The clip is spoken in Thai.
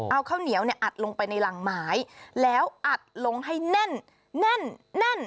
เอาข้าวเหนียวเนี่ยอัดลงไปในรังไม้แล้วอัดลงให้แน่นแน่นแน่น